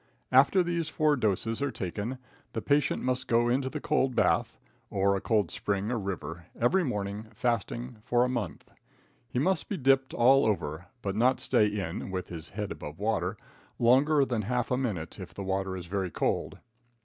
After these four doses are taken, the patient must go into the cold bath, or a cold spring or river, every morning, fasting, for a month. He must be dipped all over, but not stay in (with his head above water) longer than half a minute if the water is very cold.